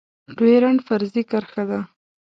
ډيورنډ فرضي کرښه ده